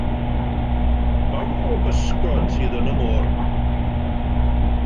Faint o bysgod sydd yn y môr?